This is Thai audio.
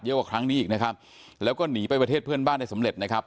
กว่าครั้งนี้อีกนะครับแล้วก็หนีไปประเทศเพื่อนบ้านได้สำเร็จนะครับ